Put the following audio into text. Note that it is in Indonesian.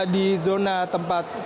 di zona tempatnya